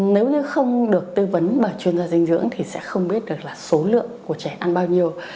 nếu như không được tư vấn bởi chuyên gia dinh dưỡng thì sẽ không biết được là số lượng của trẻ ăn bao nhiêu